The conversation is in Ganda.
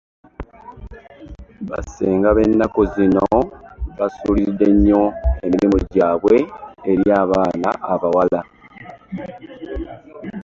Bassenga benaku zino basuliriridde emirimu gyabwe eri abaana abawala.